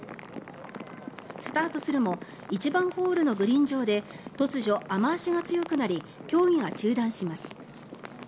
スタートするも１番ホールのグリーン上で突如、雨脚が強くなり競技が中断します。